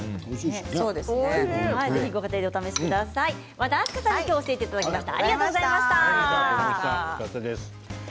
和田明日香さんに今日は教えていただきました。